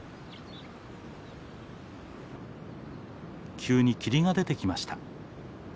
急に霧が出てきました。